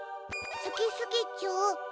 「スキスキチョウ」